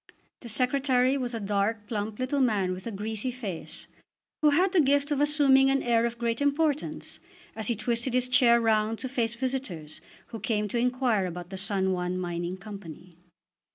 The Secretary was a dark, plump little man with a greasy face, who had the gift of assuming an air of great importance as he twisted his chair round to face visitors who came to inquire about the San Juan Mining Company.